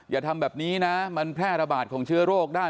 อย่าทำแบบนี้นะมันแพร่ระบาดของเชื้อโรคได้